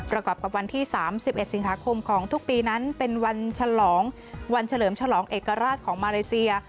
ประกอบกับวันที่๓๑สิงหาคมของทุกปีนั้นเป็นวันฉลองวันเฉลิมฉลองเอกราชของมาเลเซีย